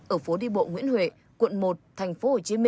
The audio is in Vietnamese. ở phố đi bộ nguyễn huệ quận một tp hcm